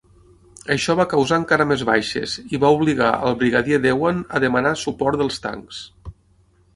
Això va causar encara més baixes i va obligar el Brigadier Dewan a demanar suport dels tancs.